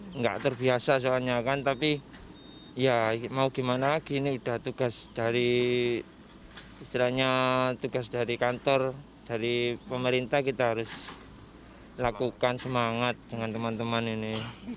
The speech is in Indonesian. tidak terbiasa soalnya kan tapi ya mau gimana lagi ini sudah tugas dari istilahnya tugas dari kantor dari pemerintah kita harus lakukan semangat dengan teman teman ini